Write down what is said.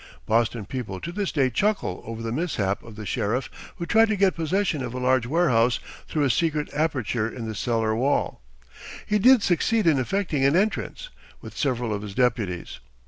Boston people to this day chuckle over the mishap of the sheriff who tried to get possession of a large warehouse through a secret aperture in the cellar wall. He did succeed in effecting an entrance, with several of his deputies.